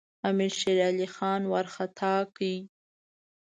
امیر شېرعلي خان وارخطا کړ.